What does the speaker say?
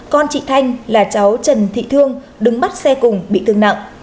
con chị thanh là cháu trần thị thương đứng bắt xe cùng bị thương nặng